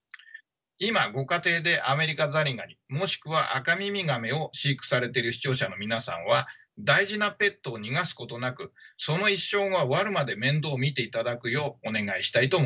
今ご家庭でアメリカザリガニもしくはアカミミガメを飼育されている視聴者の皆さんは大事なペットを逃がすことなくその一生が終わるまで面倒を見ていただくようお願いしたいと思います。